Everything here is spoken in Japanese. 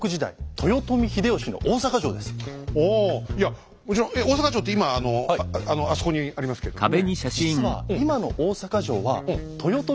いやもちろん大坂城って今あそこにありますけどもね。